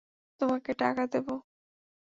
তোমাকে টাকা দেব।